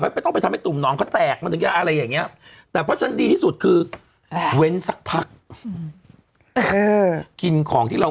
อย่าไปมีอะไรกับใครที่ไม่ใช่คู่ประจำของเรา